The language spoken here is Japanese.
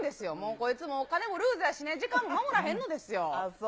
こいつ、金もルーズやしね、時間も守らへんのですよ。